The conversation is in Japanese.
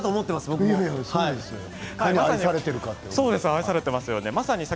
愛されていますよね。